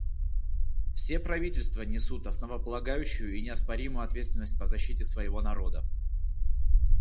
Все правительства несут основополагающую и неоспоримую ответственность по защите своего народа.